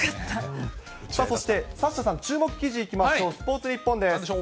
そして、サッシャさん、注目記事いきましょう、スポーツニッポンです。